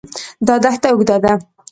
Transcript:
دا دښت اوږده ده.